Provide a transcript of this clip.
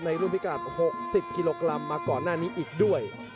รุ่นพิการ๖๐กิโลกรัมมาก่อนหน้านี้อีกด้วย